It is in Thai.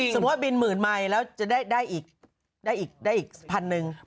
สมมุติบินหมื่นไมค์แล้วจะได้อีก๑๐๐๐นึง